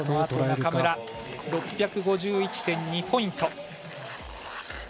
６５１．２ポイント。